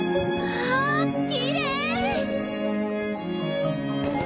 わあきれい！